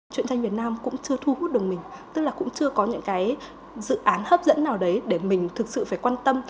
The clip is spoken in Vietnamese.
chuyện tranh việt nam cũng chưa thu hút được mình tức là cũng chưa có những cái dự án hấp dẫn nào đấy để mình thực sự phải quan tâm